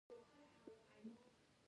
زه له منفي فکرو څخه ځان ساتم.